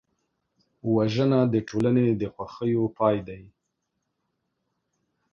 وژنه د ټولنې د خوښیو پای دی